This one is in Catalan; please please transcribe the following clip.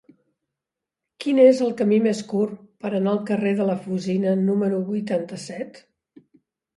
Quin és el camí més curt per anar al carrer de la Fusina número vuitanta-set?